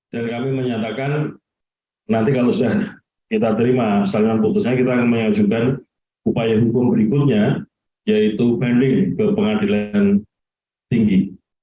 dan kami menyatakan nanti kalau sudah kita terima setelah putusannya kita akan menyajukan upaya hukum berikutnya yaitu banding ke pengadilan tinggi